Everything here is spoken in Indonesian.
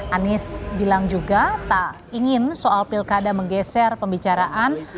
anies bilang juga tak ingin soal pilkada menggeser pembicaraan